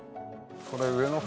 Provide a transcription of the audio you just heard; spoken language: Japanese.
これ上の方